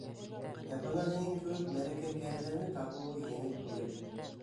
Ә бына һинең кеүек мәрәкә кәрләне табыуы еңел түгел.